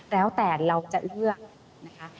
แล้วแต่เราจะเลือกนะคะ